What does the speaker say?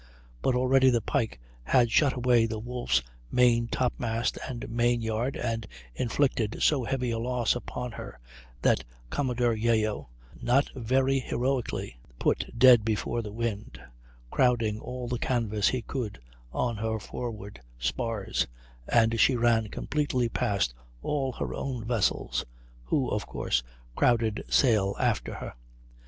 But already the Pike had shot away the Wolfe's main top mast and main yard, and inflicted so heavy a loss upon her that Commodore Yeo, not very heroically, put dead before the wind, crowding all the canvas he could on her forward spars, and she ran completely past all her own vessels, who of course crowded sail after her.